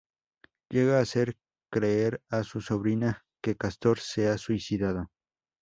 Llega a hacer creer a su sobrina que Cástor se ha suicidado.